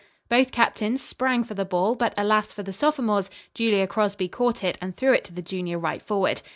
Both captains sprang for the ball, but alas for the sophomores, Julia Crosby caught it and threw it to the junior right forward.